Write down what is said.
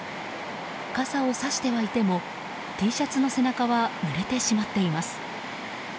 傘をさしてはいてもＴシャツの背中はぬれてしまっています。